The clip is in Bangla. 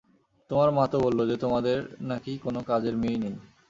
তোমার মা তো বলল যে তোমাদের নাকি কোনো কাজের মেয়েই নেই।